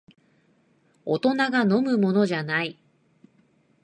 大人が飲むものじゃない